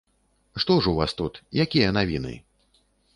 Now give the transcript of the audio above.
Што ж у вас тут, якія навіны?